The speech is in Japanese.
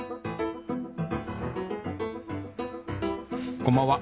こんばんは。